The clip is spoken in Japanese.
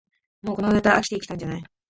もうこのネタ飽きてきたんじゃない